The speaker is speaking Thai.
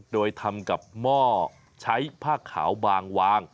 โดยทำกับหม้อใช้ผ้าขาวบางวาง